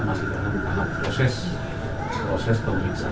masih dalam tahap proses pemeriksaan